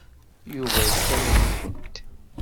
Yuba yettamen-ikent.